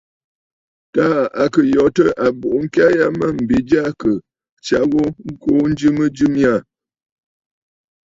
Taà à kɨ̀ yòtə̂ àbùʼu ŋkya ya mə mbi jyâ kɨ̀ tsya ghu ŋkuu njɨ mɨjɨ mya aà.